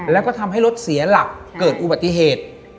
แล้วก็ทำให้รถเสียหลักเกิดอุบัติเหตุ